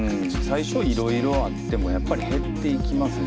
最初いろいろあってもやっぱり減っていきますね。